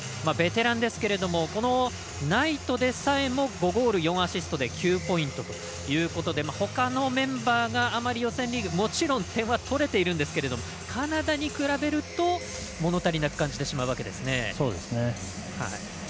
ベテランですが、ナイトでさえも５ゴール４アシストで９ポイントということでほかのメンバーがあまり予選リーグもちろん点は取れてはいますがカナダに比べると物足りなく感じてしまいます。